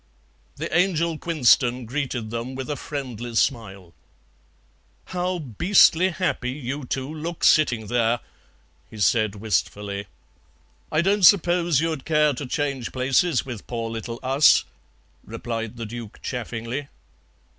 The Angel Quinston greeted them with a friendly smile. "How beastly happy you two look sitting there!" he said wistfully. "I don't suppose you'd care to change places with poor little us," replied the Duke chaffingly.